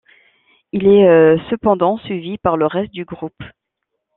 Il est cependant suivi par le reste du groupe.